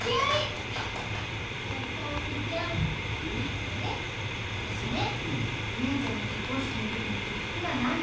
あのね私ねお姉ちゃんの結婚式の時に着る服がないの。